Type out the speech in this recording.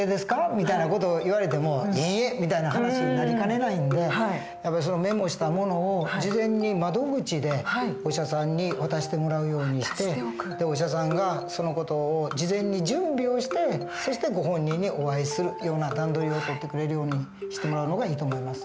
みたいな事を言われても「いいえ」みたいな話になりかねないんでメモしたものを事前に窓口でお医者さんに渡してもらうようにしてお医者さんがその事を事前に準備をしてそしてご本人にお会いするような段取りを取ってくれるようにしてもらうのがいいと思います。